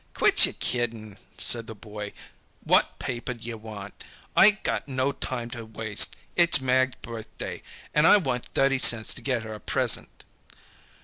"Quit yer kiddin'," said the boy. "Wot paper yer want? I got no time to waste. It's Mag's birthday, and I want thirty cents to git her a present."